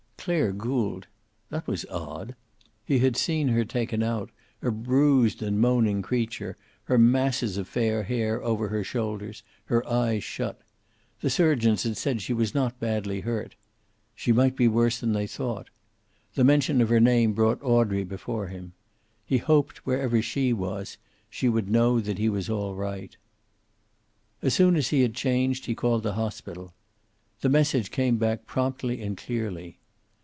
Clare Gould! That was odd. He had seen her taken out, a bruised and moaning creature, her masses of fair hair over her shoulders, her eyes shut. The surgeons had said she was not badly hurt. She might be worse than they thought. The mention of her name brought Audrey before him. He hoped, wherever she was, she would know that he was all right. As soon as he had changed he called the hospital. The message came back promptly and clearly.